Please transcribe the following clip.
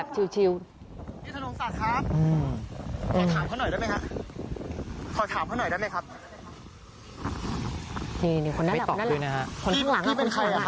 พี่เป็นใครครับ